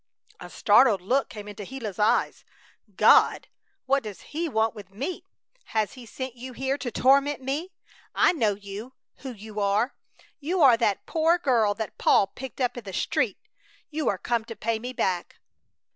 A startled look came into Gila's eyes. "God! What does He want with me? Has He sent you here to torment me? I know you, who you are! You are that poor girl that Paul picked up in the street. You are come to pay me back!"